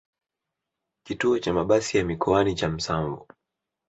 kituo cha mabasi ya mikoani cha Msanvu